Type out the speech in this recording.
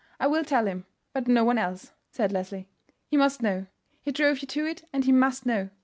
"I will tell him; but no one else," said Leslie. "He must know; he drove you to it, and he must know.